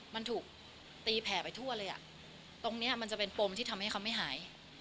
มันถูกตีแผ่ไปทั่วเลยอ่ะตรงเนี้ยมันจะเป็นปมที่ทำให้เขาไม่หาย